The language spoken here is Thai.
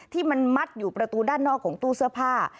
ที่มันมัดอยู่ประตูด้านนอกของตู้เสื้อผ้า